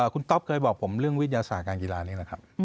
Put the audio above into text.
คุณต๊อปเคยบอกผมเรื่องวิทยาศาสตร์การกีฬานี้นะครับ